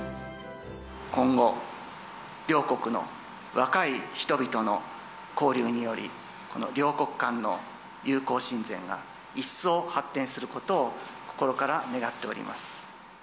今後、両国の若い人々の交流により、この両国間の友好親善が一層発展することを心から願っております。